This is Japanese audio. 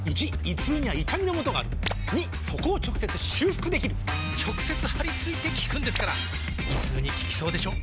①胃痛には痛みのもとがある②そこを直接修復できる直接貼り付いて効くんですから胃痛に効きそうでしょ？